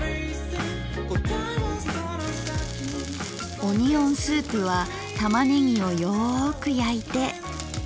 オニオンスープはたまねぎをよく焼いて。